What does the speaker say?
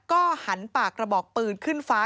ก็หันปากกระบอกปืนขึ้นฟ้า